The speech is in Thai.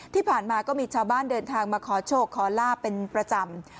ที่ผ่านมาก็มีชาวบ้านเดินทางมาขอโชคขอลาบเป็นประจำ